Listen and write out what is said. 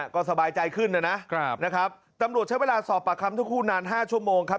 ก็สบายใจขึ้นนะครับนะครับตำรวจใช้เวลาสอบปากคำทั้งคู่นาน๕ชั่วโมงครับ